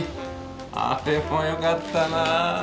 あれもよかったな。